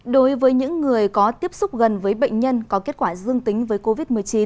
đối với những người có tiếp xúc gần với bệnh nhân có kết quả dương tính với covid một mươi chín